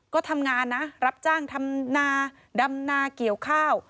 ก็ทำงานนะรับจ้างทำนาดำนาเกี่ยวข้าว